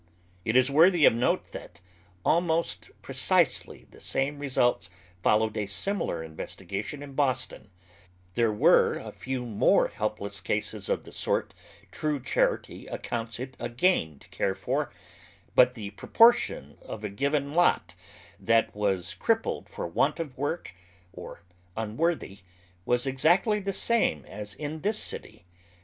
It is worthy of note that al most precisely the same results followed a similar investi gation in Boston, There were a few more helpless eases of the sort true charity accounts it a gain to care for, but the proportion of a given lot that was crippled for want of work, or unworthy, was exactly the same as in this city.